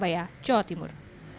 dalam tiga bulan ke depan